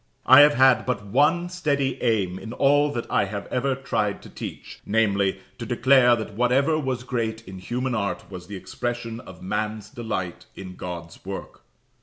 I have had but one steady aim in all that I have ever tried to teach, namely to declare that whatever was great in human art was the expression of man's delight in God's work.